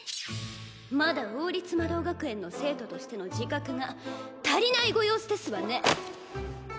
まだ王立魔導学園の生徒としての自覚が足りないご様子ですわね！